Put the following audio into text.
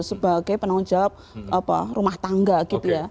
sebagai penanggung jawab rumah tangga gitu ya